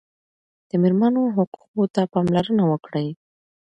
د مېرمنو حقوقو ته پاملرنه وکړئ.